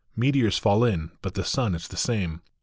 Meteors fall in, but the sun is the same.